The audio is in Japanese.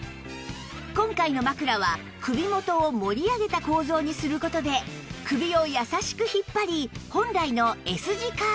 今回の枕は首元を盛り上げた構造にする事で首を優しく引っ張り本来の Ｓ 字カーブに